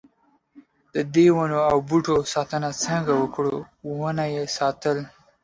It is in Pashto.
ددې ونو او بوټو ساتنه څنګه وکړو ونه یې ساتل.